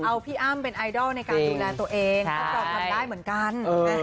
เอาพี่อ้ำเป็นไอดอลในการดูแลตัวเองก็จอมทำได้เหมือนกัน